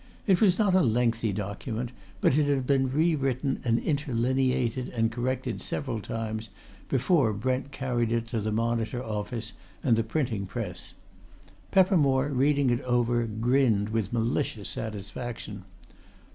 It was not a lengthy document, but it had been rewritten and interlineated and corrected several times before Brent carried it to the Monitor office and the printing press. Peppermore, reading it over, grinned with malicious satisfaction.